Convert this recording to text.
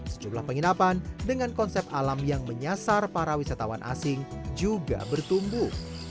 sejumlah penginapan dengan konsep alam yang menyasar para wisatawan asing juga bertumbuh